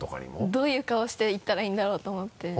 どういう顔して言ったらいいんだろうと思って。